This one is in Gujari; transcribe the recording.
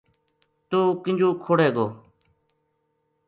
توہ کینجو کھوڑے گو